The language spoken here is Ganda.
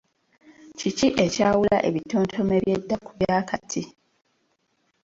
Kiki ekyawula ebitontome eby’edda ku bya kaakati?